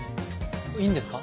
いいんですか？